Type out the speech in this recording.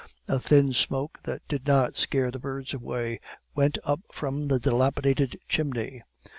A thin smoke, that did not scare the birds away, went up from the dilapidated chimney.